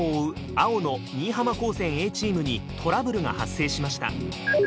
青の新居浜高専Ａチームにトラブルが発生しました。